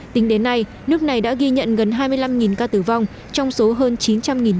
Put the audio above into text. tính đến nay nước này đã ghi nhận gần hai mươi năm ca tử vong trong số hơn chín trăm linh ca mắc